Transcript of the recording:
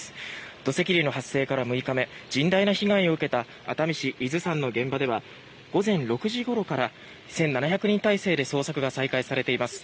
土石流の発生から６日目甚大な被害を受けた熱海市伊豆山の現場では午前６時ごろから１７００人態勢で捜索が再開されています。